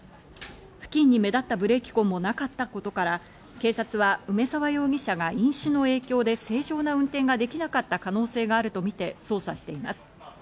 付近に目立ったブレーキ痕もなかったことから、警察は梅沢容疑者が飲酒の影響で正常な運転ができなかった可能性があるとみて捜査しています。